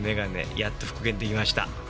やっと復元出来ました。